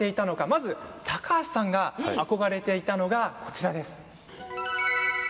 まず高橋さんが憧れていたのがこちらです。